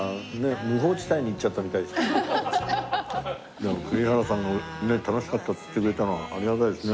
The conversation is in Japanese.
でも栗原さんがね楽しかったって言ってくれたのはありがたいですね。